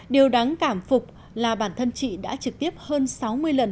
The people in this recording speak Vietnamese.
điều đáng cảm phục là bản thân chị đã trực tiếp hơn sáu mươi lần